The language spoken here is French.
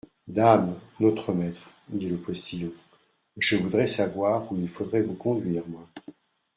Dame ! notre maître, dit le postillon, je voudrais savoir où il faudrait vous conduire, moi.